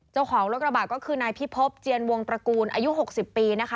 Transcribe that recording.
เจ้าของรถกระบะก็คือนายพิพบเจียนวงตระกูลอายุ๖๐ปีนะคะ